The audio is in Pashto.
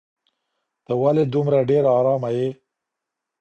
ته ولې دومره ډېره ارامه یې؟